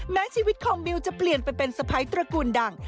แม้ชีวิตของมิวจะเปลี่ยนไปเป็นสะพ้ายตระกูลดัง